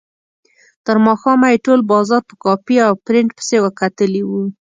تر ماښامه یې ټول بازار په کاپي او پرنټ پسې کتلی و.